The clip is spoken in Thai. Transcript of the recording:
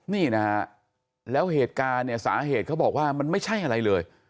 นี่นะฮะแล้วเหตุการณ์เนี่ยสาเหตุเขาบอกว่ามันไม่ใช่อะไรเลย